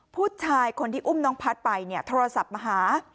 ผู้ชายคนที่อุ้มน้องพัฒน์ไปเนี่ยโทรศัพท์มาหา